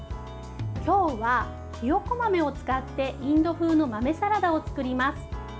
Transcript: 今日は、ひよこ豆を使ってインド風の豆サラダを作ります。